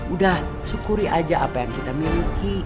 udah syukuri aja apa yang kita miliki